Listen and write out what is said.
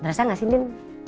ngerasa gak sih din